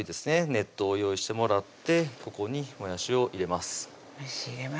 熱湯を用意してもらってここにもやしを入れます